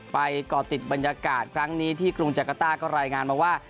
ก่อติดบรรยากาศครั้งนี้ที่กรุงจักรต้าก็รายงานมาว่า